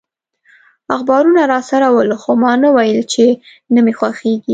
اخبارونه راسره ول، خو ما نه ویل چي نه مي خوښیږي.